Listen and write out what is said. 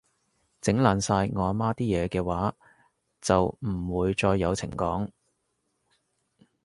整爛晒我阿媽啲嘢嘅話，就唔會再有情講